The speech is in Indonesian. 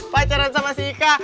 pacaran sama si ika